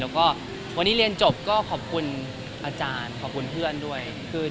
แล้วก็วันนี้เรียนจบก็ขอบคุณอาจารย์ขอบคุณเพื่อนด้วย